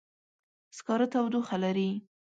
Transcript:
سکاره تودوخه لري.